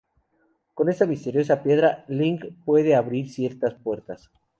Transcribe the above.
Con esta misteriosa piedra, link puede abrir ciertas puertas.